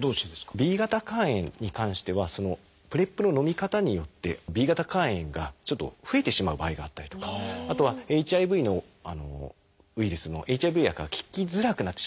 Ｂ型肝炎に関してはＰｒＥＰののみ方によってＢ型肝炎がちょっと増えてしまう場合があったりとかあとはＨＩＶのウイルスのＨＩＶ薬が効きづらくなってしまう。